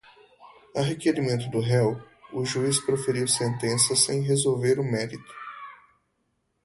a requerimento do réu, o juiz proferir sentença sem resolver o mérito